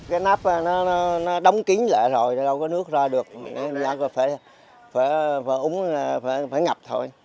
cái nắp nó đóng kính lại rồi đâu có nước ra được nên là phải uống phải ngập thôi